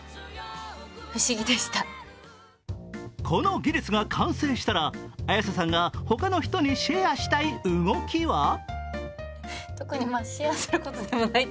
この技術が完成したら、綾瀬さんが他の人にシェアしたい動きは？